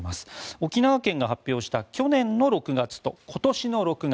沖縄県が発表した去年の６月と今年の６月